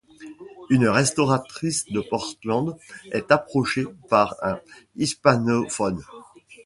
Une restauratrice de Portland est approchée par un hispanophone.